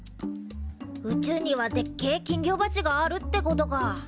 宇宙にはでっけえ金魚鉢があるってことか。